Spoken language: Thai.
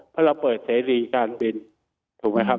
เพราะเราเปิดเสรีการบินถูกไหมครับ